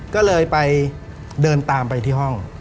ก็เลยไปเดินตามไปที่ห้อง